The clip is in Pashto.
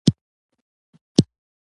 چارمغز د قبض مخنیوی کوي.